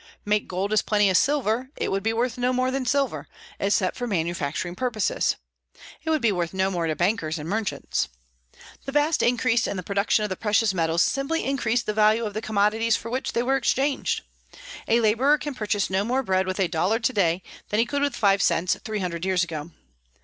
Make gold as plenty as silver, it would be worth no more than silver, except for manufacturing purposes; it would be worth no more to bankers and merchants. The vast increase in the production of the precious metals simply increased the value of the commodities for which they were exchanged. A laborer can purchase no more bread with a dollar to day than he could with five cents three hundred years ago.